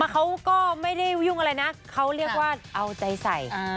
เขาก็ไม่ได้ยุ่งอะไรนะเขาเรียกว่าเอาใจใส่